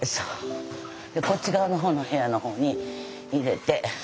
こっち側のほうの部屋のほうに入れて。